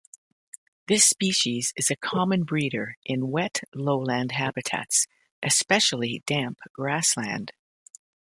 This species is a common breeder in wet lowland habitats, especially damp grassland.